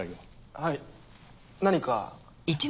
はい何か？